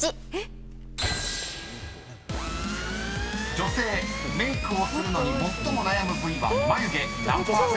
［女性メークをするのに最も悩む部位は眉毛何％か］